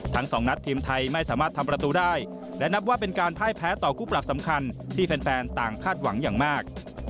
ทั้งสองนัดทีมไทยไม่สามารถทำประตูได้และนับว่าเป็นการพ่ายแพ้ต่อคู่ปรับสำคัญที่แฟนต่างคาดหวังอย่างมาก